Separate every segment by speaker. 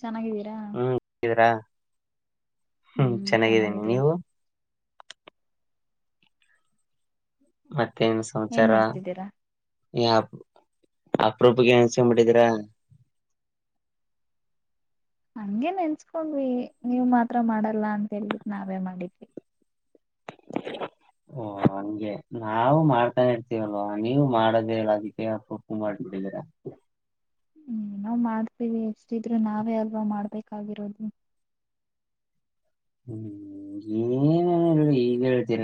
Speaker 1: ಚೆನ್ನಾಗಿದ್ದೀರಾ.
Speaker 2: ಹ್ಮ್ ಇದ್ರಾ ಹ್ಮ್ ಚೆನ್ನಾಗಿದ್ದೀನಿ ನೀವು. ಮ ತ್ತೇನ್
Speaker 1: ಏನ್
Speaker 2: ಸಂಚಾರ.
Speaker 1: ಮಾಡ್ತಿದ್ದೀರಾ
Speaker 2: ಯ ಅಪ್ರೂಪಕ್ಕೆ ಏನ್ಸಬಟ್ಟಿದಿರಾ.
Speaker 1: ಹಂಗೆ ನೆನ್ಸ್ಕೊಂಡ್ವಿ. ನೀವ್ ಮಾತ್ರ ಮಾಡಲ್ಲ ಅಂತ್ ಹೇಳ್ಬಿಟ್ ನಾವೇ ಮಾಡಿದ್ವಿ.
Speaker 2: ಓ ಹಂಗೆ ನಾವು ಮಾಡ್ತಾನೇ ಇರ್ತೀವಲ್ವಾ ನೀವು ಮಾಡೋದೇಲ್ಲ ಅದಕ್ಕೆ ಅಪರೂಪ್ಕ್ ಮಾಡ್ಬಿಟ್ಟಿದೀರ.
Speaker 1: ಹ್ಮ್ ನಾವ್ ಮಾಡ್ತೀವಿ ಎಷ್ಟಿದ್ರು ನಾವೇ ಅಲ್ವಾ ಮಾಡ್ಬೇಕಾಗಿರೋದು.
Speaker 2: ಹ್ಮ್ ಏನೇನ್ ಈಗ್ ಹೇಳ್ತೀರ.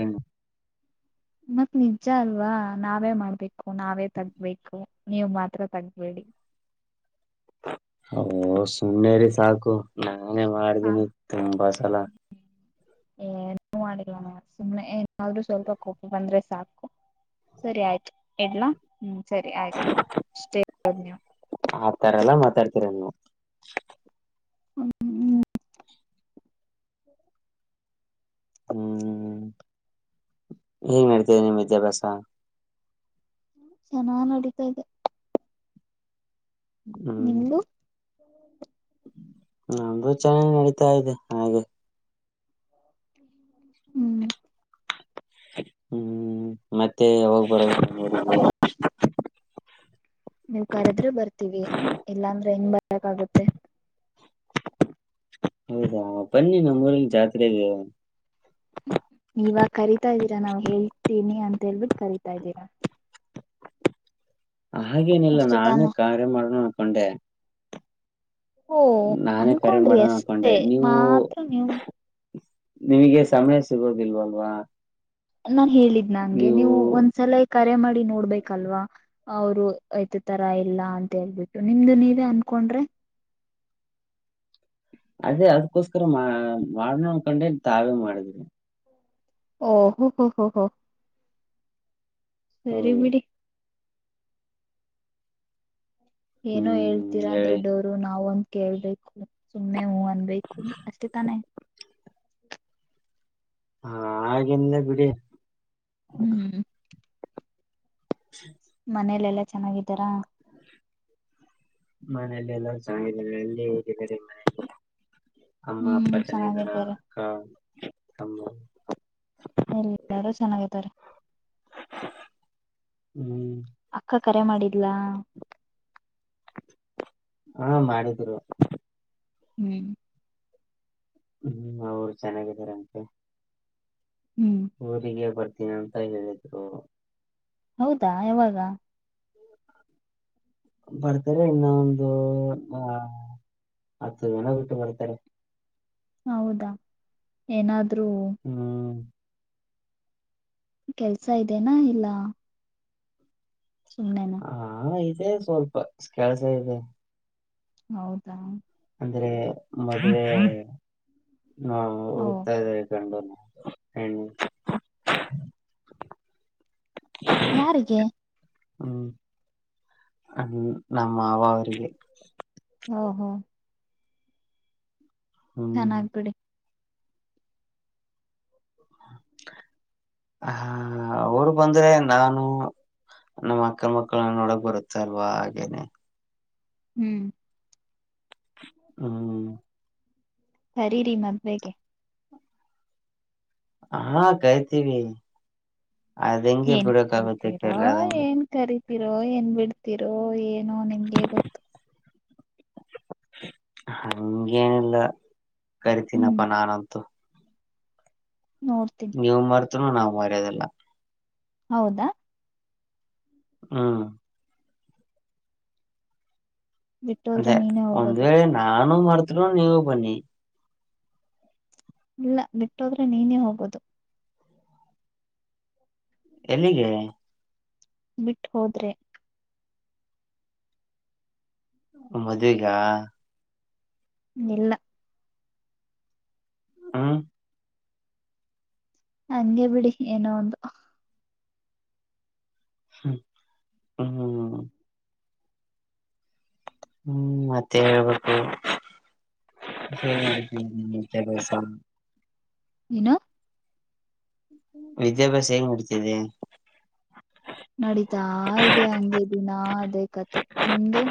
Speaker 1: ಮತ್ತ್ ನಿಜ್ಜ ಅಲ್ವಾ. ನಾವೇ ಮಾಡ್ಬೇಕು. [unintelligible] ನಾವೇ ತಗ್ಬೇಕು. ನೀವು ಮಾತ್ರ ತಗ್ಬೇಡಿ.
Speaker 2: ಓ ಸುಮ್ನೆರಿ ಸಾಕು. ನಂಗೆ ಮಾಡಿದಿನಿ ತುಂಬಾ ಸಲ.
Speaker 1: ಏ ನು ಮಾಡಲ್ಲ ನೋಡ್ ಸುಮ್ನೆ ಏನಾದ್ರೂ ಸ್ವಲ್ಪ ಕೋಪ್ಪ ಬಂದ್ರೆ ಸಾಕು ಸರಿ ಆಯ್ತು ಎಡ್ಲಾ ಹ್ಮ್. ಸರಿ ಆಯ್ತು ಅಷ್ಟೇ ಅಯ
Speaker 2: ಆ ತರಲ್ಲಾ ಮಾತಾಡ್ತರೇ ನ
Speaker 1: ಹ್ಮ್ ಹ್ಮ
Speaker 2: ಹ್ಮ್ ಹೇಂಗ ನಡ್ತೇವೆ ನಿಮ್ಮ್ ವಿದ್ಯಾಭ್ಯಾಸ
Speaker 1: ಚೆನ್ನ ನಡೀತಾ ಇದೆ
Speaker 2: ಹ್ಮ್
Speaker 1: ನಿಮ್ದು [unintelligible]
Speaker 2: ನಮು ಚೆನ್ನಾಗಿ ನಡೀತಾ ಇದೆ ಹಾಗೆ
Speaker 1: ಹ್ಮ್
Speaker 2: ಹ್ಮ್ ಮತ್ತೆ ಹೋಗ್ ಬರ
Speaker 1: ನೀವು ಕರೆದ್ರೆ ಬರ್ತೀವಿ ಇಲ್ಲಾ ಅಂದ್ರೆ ಹೆಂಗ್ ಬರ್ಕ್ಾಗುತ್ತೆ
Speaker 2: ಹೌದಾ ಬನ್ನಿ ನಮ್ಮ ಊರಿರಿಗೆ ಜಾತ್ರೆಗೆ
Speaker 1: ಇವಾಗ ಕರಿತಾ ಇದ್ದೀರಾ ನಾವ್ ಹೇಳ್ತೀನಿ ಅಂತ ಹೇಳ್ಬಿಟ್ಟು ಕರಿತಾ ಇದ್ದೀರಾ
Speaker 2: ಹಾಗೇನಿಲ್ಲ
Speaker 1: ಅಷ್ಟೇ
Speaker 2: ನಾನೇ
Speaker 1: ತಾನೆ
Speaker 2: ಕಾರ್ಯ ಮಾಡಣ ಅನ್ಕೊಂಡೆ
Speaker 1: ಓ
Speaker 2: ನಾನೇ ಕರೆ
Speaker 1: ಅನ್ಕೊಂಡ್ರಿ
Speaker 2: ಮಾಡೋಣ ಅನ್ಕೊಂಡೆ.
Speaker 1: ಅಷ್ಟೇ
Speaker 2: ನೀವು
Speaker 1: ಮಾತ್ರ ನೀವು
Speaker 2: ನಿಮಗೆ ಸಮಯ ಸಿಗೋದಿಲ್ವಲ್ವಾ
Speaker 1: ನಾನ್ ಹೇಳಿದ್ನ ಹಂಗೆ ನೀವು ಒಂದ್ಸಲ ಕರೆ ಮಾಡಿ ನೋಡ್ಬೇಕಲ್ವಾ ಅವರು ಐತ ತರ ಇಲ್ಲ ಅಂತ ಹೇಳ್ಬಿಟ್ಟು ನಿಮ್ದು ನೀವೇ ಅನ್ಕೊಂಡ್ರೆ
Speaker 2: ಅದೇ ಅದಕೋಸ್ಕರ ಮಾ ಮಾಡನ ಅನ್ಕೊಂಡೆನ್ ತಾವೇ ಮಾಡಿದ್ರಿ
Speaker 1: ಓ ಹ ಹೋ ಹ ಹ ಸರಿ
Speaker 2: ಹೌದು.
Speaker 1: ಬಿಡಿ ಏನೋ
Speaker 2: ಹ್ಮ್,
Speaker 1: ಹೇಳ್ತೀರಾ
Speaker 2: ಹೇಳಿ.
Speaker 1: ದೊಡ್ಡವ್ರು ನಾವ್ಂತ ಕೇಳ್ಬೇಕು ಸುಮ್ಮನೆ ಹೂ ಅನ್ಬೇಕು ಅಷ್ಟೆ ತಾನೆ [unintelligible]
Speaker 2: ಹಾ ಹಾಗೆಲ್ಲ ಬಿಡಿ
Speaker 1: ಹ್ಮ್
Speaker 2: ಹ್ಮ
Speaker 1: ಮನೇಲೆ ಎಲ್ಲಾ ಚೆನ್ನಾಗಿದ್ದಾರಾ
Speaker 2: ಮನೇಲೆ ಎಲ್ಲ ಚನ್ನ ಅಲ್ಲಿ ಹೇಗಿದ್ದಾರೆ ಮನ ಅಮ್ಮ ಅಪ್ಪ
Speaker 1: ಹ್ಮ್
Speaker 2: ಚೆನ ಇದ್ದಾರ
Speaker 1: ಚೆನ್ನಾಗಿದ್ದಾರೆ
Speaker 2: ಅಕ್ಕಾ ಹ
Speaker 1: ಎಲ್ಲಾರು ಚೆನ್ನಾಗೈತಾರೆ
Speaker 2: ಹ್ಮ್
Speaker 1: ಅಕ್ಕ ಕರೆ ಮಾಡಿದ್ಲಾ
Speaker 2: ಹಾ ಮಾಡಿದ್ರು
Speaker 1: ಹ್ಮ್
Speaker 2: ಹ್ಮ್ ಅವ್ರು ಚೆನ್ನಾಗಾರ ಅಂತೆ
Speaker 1: ಹ್ಮ್
Speaker 2: ಊರಿಗೆ ಬರ್ತ ದಿನಂತ ಹೇಳಿದ್ರು
Speaker 1: ಹೌದಾ ಯಾವಾಗ
Speaker 2: ಬರ್ತಾರೆ ಇನ್ನ ಒಂದು ಅ ಹತ್ತು ಜನ ಬಿಟ್ಟು ಬರ್ತಾರೆ
Speaker 1: ಹೌದಾ ಏನಾದ ೂ
Speaker 2: ಹ್ಮ್
Speaker 1: ಕೆಲ್ಸ ಇದೇನಾ ಇಲ್ಲ ಸುನೆನಾ
Speaker 2: ಅೇ ಸ್ವಲ್ಪ ಕೆಲಸ ಇದೆ
Speaker 1: ಹೌದಾ
Speaker 2: ಅಂದ್ರೆ ಮದೆ ಹಾ
Speaker 1: ಓ
Speaker 2: ಹುಡುತಾ ಇದೆ ಗಂಡುನ ಹ್ಮ
Speaker 1: ಯಾರಿಗೆ
Speaker 2: ಹ್ಮ್ ಹ ನಮ್ಮ ಮಾವ ಅವರಿಗೆ
Speaker 1: ಹ ಹೋ
Speaker 2: ಹ್ಮ್
Speaker 1: ಚೆನ್ನಾಗ್ಬಿಡಿ
Speaker 2: ಹ ಅವರು ಬಂದ್ರೆ ನಾನು ನಮ್ಮ ಅಕ್ಕಲ್ ಮಕ್ಕಳನ್ನ ನೋಡಕ್ ಬರುತ್ತ ಅಲ್ವಾ ಹಾಗೇನೆ
Speaker 1: ಹ್ಮ್
Speaker 2: ಹ್ಮ
Speaker 1: ಸರಿ ರೀ ಮದುವೆಗೆ
Speaker 2: ಹಾ ಕೈತಿೀವಿ ಅದೆಂಗ ಇ
Speaker 1: ಏನ್
Speaker 2: ಬಿಡೋ ಕಾಗದ ಕ್ರದಂಗ
Speaker 1: ರೋ ಏನ್ ಬಿಡ್ತಿರೋ ಏನೋ ನಿಮ್ಗೆ ಗೊತ್ತು
Speaker 2: ಹಂಗೇನಿಲ್ಲ
Speaker 1: ಹ್ಮ್
Speaker 2: ಕರಿತೀನಪ್ಪ ನಾನಂತೂ
Speaker 1: ನೋಡ್ತೀನಿ
Speaker 2: ನೀವು ಮಾರ್ತ ನ ನಾವು ಮರದಲ್ಲ
Speaker 1: ಹೌದಾ
Speaker 2: ಹ್ಮ
Speaker 1: ಬಿಟ್ಟೋದ್ರೆ
Speaker 2: ಅದೇ
Speaker 1: ನೀನೇ
Speaker 2: ಒಂದ್
Speaker 1: ಹೋಗೋದು
Speaker 2: ವೇಳೆ ನಾು ಮಾಡರ್ತರು ನೀವು ಬನ್ನಿ
Speaker 1: ಇಲ್ಲ ಬಿಟ್ಟೋದ್ರೆ ನೀನೇ ಹೋಗೋದು
Speaker 2: ಎಲ್ಲಿಗೆ
Speaker 1: ಬಿಟ್ಟ ಹೋದ್ರೆ
Speaker 2: ಮದುವಗ
Speaker 1: ಇಲ್ಲ
Speaker 2: ಹ್ಮ
Speaker 1: ಹಂಗೆ ಬಿಡಿ ಏನೋ ಒಂದು
Speaker 2: ಹ್ಮ ಹ್ಮ ಹ್ಮ್ ಮತ್ತೆ ಹೇಳ್ಬೇಕು ಮೆಸ
Speaker 1: ಏನು
Speaker 2: ವಿಿದ್ಯಾಭ್ಯಾಸ ಮುಡತಿದೆ
Speaker 1: ನಡೀತಾ ಇದೆ ಹಂಗೆ ದಿನಾ ಅದೇ ಕತೆ ನಿಮ್ದು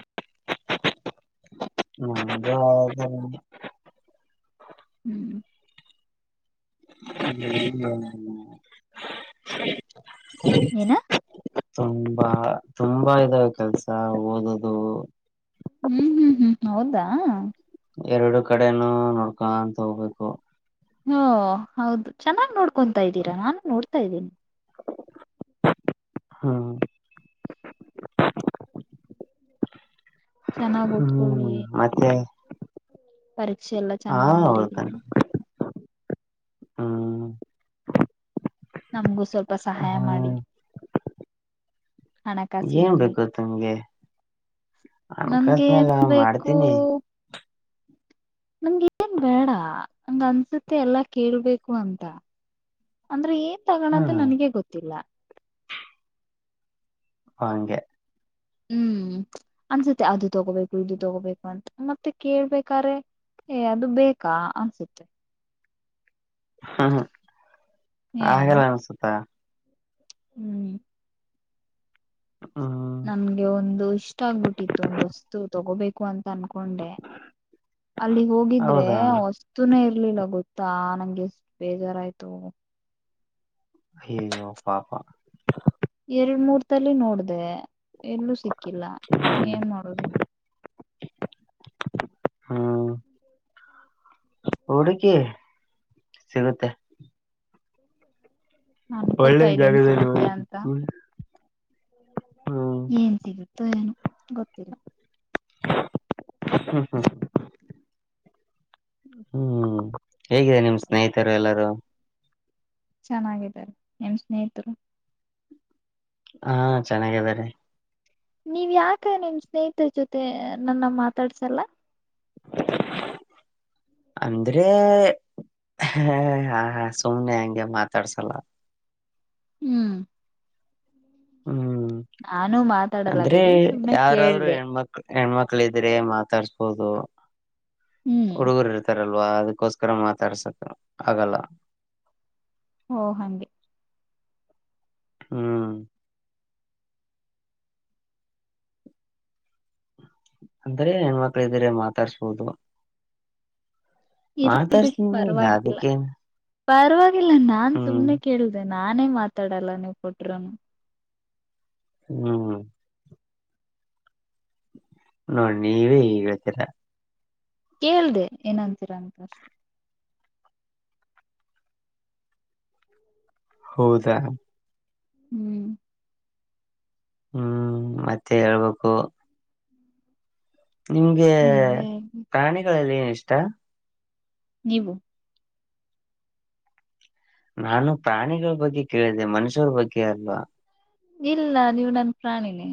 Speaker 2: ಹದ
Speaker 1: ಹ್ಮ್
Speaker 2: ಹ
Speaker 1: ಏನ
Speaker 2: ಹ ತುಂಬಾ ತುಂಬಾ ಇದಾವ ಕೆಲ್ಸ ಓದದು
Speaker 1: ಹ್ಮ್ ಹ್ಮ್ ಹ್ಮ್ ಹೌದಾ
Speaker 2: ಎರಡು ಕಡೆನೂ ನೋಡ್ಕ ಅಂತ ಹೋಗ್ಬೇಕು
Speaker 1: ಹಓ ಹೌದು ಚೆನ್ನಾಗ್ ನೋಡ್ಕೊತಾ ಇದ್ದೀರಾ ನಾನು ನೋಡ್ತಾ ಇದ್ದೇನಿ
Speaker 2: ಹಾ
Speaker 1: ಚೆನ್ನಾಗ್ ಓದ್ಕೊಳ್ಳಿ
Speaker 2: ಹ್ಮ್ ಮತ್ತೆ
Speaker 1: ಪರೀಕ್ಷೆ ಎಲ್ಲಾ
Speaker 2: ಹಾ
Speaker 1: ಚೆನ್ನಾಗ್ ಬರೀರಿನಿ
Speaker 2: ಹೌದನ್ ಹ್ಮ್
Speaker 1: ನಮ್ಗೂ ಸ್ವಲ್ಪ ಸಹಾಯ ಮಾಡಿ
Speaker 2: ಹ್ಮ್ ಏನ್
Speaker 1: ಹಣಕಾಸಿನಲ್ಲಿ
Speaker 2: ಬೇಕುತ್ಮ್ಗೆ
Speaker 1: ನಮ್ಗೆ ಏನ್ ಬೇಕು ನಂ ಏನ್ ಬೇಡ ನಂಗ ಅನ್ಸುತ್ತೆ ಎಲ್ಲಾ ಕೇಳ್ಬೇಕು ಅಂತ ಅಂದ್ರೆ ಏನ್ ತಗೋದು
Speaker 2: ಹ್ಮ
Speaker 1: ನನಗೆ ಗೊತ್ತಿಲ್ಲ
Speaker 2: ಹಗೆ
Speaker 1: ಹ್ಮ್ ಅನ್ಸತ್ತೆ ಅದು ತಗೋಬೇಕು ಇದು ತಗೋಬೇಕು ಅಂತ ಮತ್ತೆ ಕೇಳ್ಬೇಕ್ರೆ ಏ ಅದು ಬೇಕಾ ಅನ್ಸತ್ತೆ
Speaker 2: ಹ್ಮ
Speaker 1: ಏನೋ
Speaker 2: ಹಾಗಲ್ಲ ಅನ್ಸುತ್ತಾ
Speaker 1: ಹ್ಮ್
Speaker 2: ಹ್ಮ್
Speaker 1: ನಮ್ಗೆ ಒಂದು ಇಷ್ಟ ಆಗ್ಬಿಟ್ಟಿತ್ತು ಒಂದು ವಸ್ತು ತಗೋಬೇಕು ು ಅಂತ ಅನ್ಕೊಂಡೆ ಅಲ್ಲಿ ಹೋಗಿದ್ರೆ
Speaker 2: ಹೌದಾ
Speaker 1: ಆ ವಸ್ತುನ ಇರ್ಲಿಲ್ಲ ಗೊತ್ತ ತ್ತಾ ನಂಗೆ ಎಷ್ಟ ಬೇಜಾರಾಯಯ್ತು
Speaker 2: ಯೋ ಪಾಪಾ
Speaker 1: ಎರಡ್ ಮೂರ್ ತಲ್ಲಿ ನೋಡ್ದ ಎಲ್ಲೂ ಸಿಕ್ಕಿಲ್ಲ
Speaker 2: ಹ್ಮ್
Speaker 1: ಏನ್ ಮಾಡುದು
Speaker 2: ಹ್ಮ್ ಹುಡುಕಿ ಸಿಗುತ್ತೆ ಒಳ್ಳೆ
Speaker 1: ನನ್ಕೋತಾ ಇದ್ದೇನ್
Speaker 2: ಜಾಗದಲ್ಲಿ
Speaker 1: ಸಿಗುತ್ತೆ
Speaker 2: ಹೋಗಿ.
Speaker 1: ಅಂತ
Speaker 2: ಹ್ಮ್
Speaker 1: ಏನ್ ಸಿಗುತ್ತೋ ಏನು ಗೊತ್ತಿಲ್ಲ
Speaker 2: ಹ್ಮ ಹ್ಮ ಹ್ಮ್ ಹೇಗಿದೆ ನಿಮ್ ಸ್ನೇಹಿತರು ಎಲ್ಲರೂ
Speaker 1: ಚೆನ್ನಾಗಿದ್ದಾರೆ ನಿನ್ ಸ್ನೇಹಿತರು
Speaker 2: ಹಾ ಚೆನ್ನಾಗ್ದಿದ್ದಾರೆ
Speaker 1: ನೀವ್ ಯಾಕ ನಿಮ್ ಸ್ನೇಹಿತರ ಜೊತೆ ನನ್ನ ಮಾತಾಡ್ಸಲ್ಲ
Speaker 2: ಅಂದ್ರೆ ಹ ಹಾ ಹಾ ಸುಮ್ನೆ ಹಂಗೆ ಮಾತಾಡ್ಸಲ್ಲ
Speaker 1: ಹ್ಮ್
Speaker 2: ಹ್ಮ್
Speaker 1: ನಾನು ಮಾತಾಡಲ್ಲ
Speaker 2: ಅಂದ್ರೆ
Speaker 1: ಬಿಡಿ ಸುಮ್ನೆ
Speaker 2: ಯಾರಾದ್ರು
Speaker 1: ಕೇಳ್ದೆ
Speaker 2: ಹೆಣ್ಮಕ್ ಹೆಣ್ಮಕ್ಳ ಇದ್ರೆ ಮಾತಾಡ್ತ ಹಪ್ಪದು
Speaker 1: ಹ್ಮ್
Speaker 2: ಹುಡುಗರು ಇರ್ತಾರಲ್ಲ ಅಲ್ವಾ ಅದಕ್ಕೋಸ್ಕರ ಮಾತಾಡ್ಸಕ ಆಗಲ್ಲ
Speaker 1: ಓ ಹಾಗಗೆ
Speaker 2: ಹ್ಮ್ ಅಂದ್ರ ಹೆಣ್ಮಕ್ಳ ಇದ್ರ ಮಾತಾಡ್ಸ್ಬೋದು
Speaker 1: ಇರ್ಲಿ
Speaker 2: ಮಾತಾಡ್ಸನ ಯದಕ್ಕೇನು
Speaker 1: ಪರ್ವಾಗಿ ಇಲ್ಲ ನಾನ್ ಸುಮನೆ ಕೇಳ್ದೇನೆ ನಾನೇ ಮಾತಾಡಲ್ಲ ನೀವು ಪಟರುೂನು
Speaker 2: ಹ್ಮ್ ನೋಡ್ ನೀವೇ ಹಗ್ ಹೇಳ್ತೀರಾ
Speaker 1: ಕೇಳ್ದೆ ಏನಂತೀರ ಅಂತ ಅಷ್ಟೆ
Speaker 2: ಹೌದಾ
Speaker 1: ಹ್ಮ್
Speaker 2: ಹ್ಮ್ ಮತ್ತೆ ಹೇಳ್ಬೇಕು ನಿಮ್ಗೆ
Speaker 1: ನೀವೇ
Speaker 2: ಪ್ರಾಣಿಗಳಲ್ಲಿ ಏನುಷ್ಟ ಎ [inaudible]
Speaker 1: ನೀವು
Speaker 2: ನಾನು ಪ್ರಾಣಿಗಳ ಬಗ್ಗೆ ಕೇಳಿದೆೆ ಮನುಷ್ಯರ ಬಗ್ಗೆ ಅಲ್ವಾ
Speaker 1: ಇಲ್ಲ ನೀವು ನನ್ ಪ್ರಾಣಿನೇ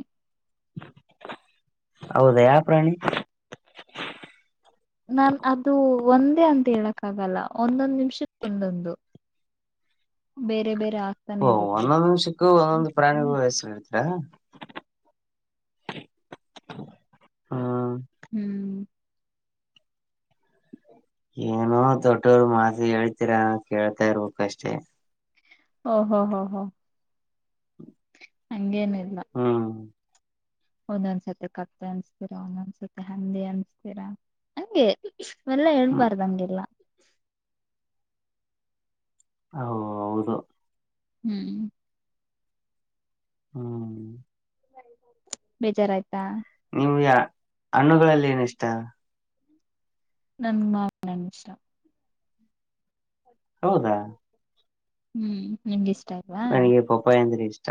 Speaker 2: ಹೌದಾ ಯ ಪ್ರಾಣಿ
Speaker 1: ನನ್ ಅದು ಒಂದೇ ಅಂತ ಹೇಳಕ್ ಆಗಲ್ಲ ಒಂದೊಂದು ನಿಮಿಷ ಒಂದೊಂದು ಬೇರೆ ಬೇರೆ ಆಗ್ತಾನೆ
Speaker 2: ಹಓ
Speaker 1: ಇರುತ್ತೆ.
Speaker 2: ಒಂದೊಂದು ನಿಮಷಕ್ಕೂ ಒಂದೊಂದು ಪ್ರಾಣಿಗೂ ವಯಸ್ಸತಿ ಹ [inaudible] ಹಾ
Speaker 1: ಹ್ಮ್
Speaker 2: ಏನೋ ತೊಟೋರು ಮಾಸಿ ಹೇಳ್ತೀರ ಕೇಳ್ತಾ ಇರ್ಬೇಕಕ್ಷ್ಟೇ
Speaker 1: ಹಓ ಹಾ ಹಾ ಹಾ ಹಂಗೇನ [inaudible]
Speaker 2: ಹ್ಮ್
Speaker 1: ಒಂದೊಂದ್ಸತಿ ಕತ್ತ ಅನ್ಸ್ತೀರಾ ಒಂದೊಂದ್ಸತಿ ಹಂದಿ ಅನ್ಸ್ತೀರಾ ಹಂಗೆ ಎಲ್ಲ
Speaker 2: ಹ್ಮ್
Speaker 1: ಹೇಳ್ಬಾರ್ದಂಗೆಲ್ಲ
Speaker 2: ಹಓ ಹೌದು
Speaker 1: ಹ್ಮ್
Speaker 2: ಹ್ಮ್
Speaker 1: ಬೇಜಾರಾಯ್ತಾ
Speaker 2: ನೀವು ಯ ಹಣ್ಣುಗಳಲ್ಲಿ ಏನ ಇಷ್ಟ
Speaker 1: ನನ್ ಮಾವಿನ ನನ್ಷ್ಟ
Speaker 2: ಹೌದಾ
Speaker 1: ಹ್ಮ್ ನಗೆ [unintelligible]
Speaker 2: ನನಗೆ ಪಪಾ ಏಂದ್ರೀ [inaudible]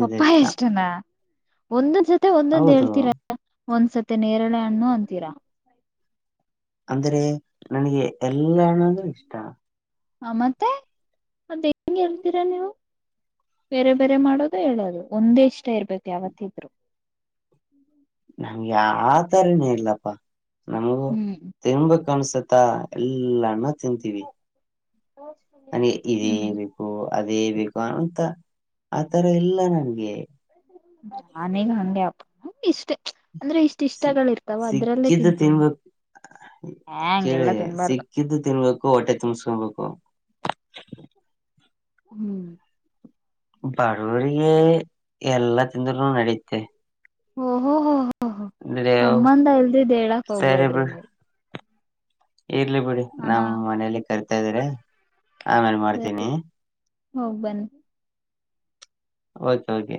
Speaker 1: ಪಪ್ಪಾ ಎಷ್ಟ ಜನ ಒಂದು ಜ ಮತ್ತೆ ಒಂದೊಂದ್
Speaker 2: ಹೌದು
Speaker 1: ಹೇಳ್ತೀರಾ ಒಂದ್ಸತಿ ನೇರಳೆ ಹಣ್ಣು ಅಂತೀರಾ
Speaker 2: ಅಂದ್ರೆ ನನಗೆ ಎಲ್ಲ ಹ್ಣಂದ್ರೂ ಇಷ್ಟ
Speaker 1: ಹ ಮತ್ತೆ ಮದ ಹೆಂಗ್ ಹೇಳ್ತಿರಾ ನೀವು ಬೇರೆ ಬೇರೆ ಮಾಡೋದು ಹೇಳೋದು ಒಂದೇ ಇಷ್ಟ ಇರ್ಬೇಕು ಯಾವತ್ತಿದ್ರು
Speaker 2: ನಮ್ಗೆ ಯಾವತರನೇ ಇಲ್ಲಪ್ಪಾ ನಮಗೂ
Speaker 1: ಹ್ಮ್
Speaker 2: ತಿಂಬ ಕನ್ಸುತ್ತ ಎಲ್ಲಾನ ತಿಂತೀವಿ [inaudible] ಇ
Speaker 1: ಹ್ಮ್
Speaker 2: ಬು ಅದೇ ಬೇಕು ಅಂತ ಆ ತರ ಎಲ್ಲ ನನ್ಗೆ
Speaker 1: ಬ [inaudible] ನಾನೀಗ ಹಂಗೆ ಅಪ್ಪ ಇಷ್ಟ ಹ [unintelligible]
Speaker 2: ಸಿಕ್ಕಿದ್ದು
Speaker 1: ತಿಂತೀನಿ
Speaker 2: ತಿನ್ಬೇಕು ಕೇಳಿ
Speaker 1: ಹಂಗೆಲ್ಲಾ ತಿನ್ಬಾರ್ದು
Speaker 2: ಸಿಕ್ಕಿದ್ದು ತಿನ್ಬೇಕು ಹೊಟ್ಟೆ ತುಂಬಸ್ಕೊಬೇಕು
Speaker 1: ಹ್ಮ್
Speaker 2: ಬಡವರಿಗೆ ಎಲ್ಲಾ ತಿಂಧನು ನಡೀುತ್ತೆ
Speaker 1: ಹ್ಮ [inaudible] ಹೊಓ ಹೋ ಹೋ ಹ ಸಂಬಂಧ ಇಲ್ದಿ ಹೇಳಕ್
Speaker 2: ಸರಿ
Speaker 1: ಹೋಗ್ಬೇಡ್ರಿ
Speaker 2: ಬಿಡ್
Speaker 1: ನೀ
Speaker 2: ಇರ್ಲಿ ಬಿಡಿ ನಮ್ ಮನೇಲಿ ಕರಿತಾ ಇದಿದ್ರ ಆಮೇಲೆ ಮಾಡ್ತೀನಿ
Speaker 1: ಹೋಗ್ ಬನ್ನಿ
Speaker 2: ಓಕೆ ಓಕೆ